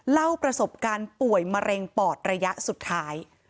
เล่าประสบการณ์ป่วยมะเร็งปอดระยะสุดท้าย